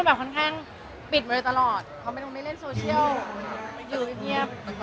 อ๋อไม่ต่างผ่านเฉยเค้าอยากหลับขึ้นไง